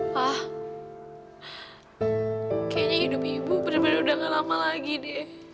pak kayaknya hidup ibu benar benar udah gak lama lagi deh